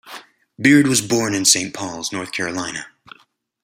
Beard was born in Saint Pauls, North Carolina.